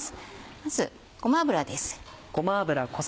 まずごま油です。